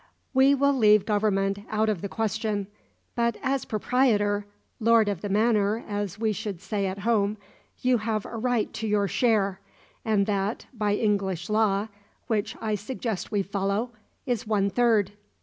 "We will leave Government out of the question; but as proprietor lord of the manor, as we should say at home you have a right to your share; and that, by English law which I suggest we follow is one third."